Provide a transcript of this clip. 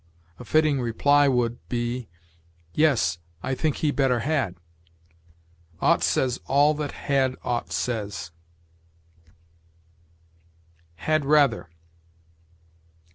A fitting reply would be, "Yes, I think he better had." Ought says all that had ought says. HAD RATHER.